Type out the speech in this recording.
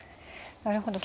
なるほど。